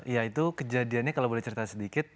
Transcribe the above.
ya itu kejadiannya kalau boleh cerita sedikit